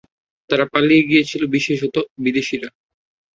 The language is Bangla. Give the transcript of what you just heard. তারা পালিয়ে গিয়েছিল, বিশেষত বিদেশীরা।